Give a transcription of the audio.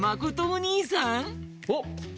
おっ！